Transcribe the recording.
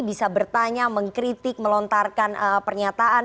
bisa bertanya mengkritik melontarkan pernyataan